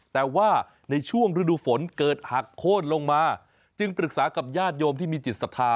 แต่ว่าในช่วงฤดูฝนเกิดหักโค้นลงมาจึงปรึกษากับญาติโยมที่มีจิตศรัทธา